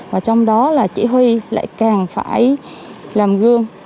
và trong đó là chỉ huy lại càng phải làm gương